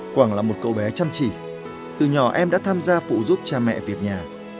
quảng là một cậu bé chăm chỉ từ nhỏ em đã tham gia phụ giúp cha mẹ việc nhà